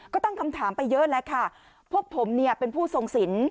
ก็ตั้งคำถามไปเยอะแล้วค่ะพวกผมเนี่ยเป็นผู้ทรงสิน